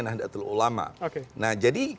nahdlatul ulama nah jadi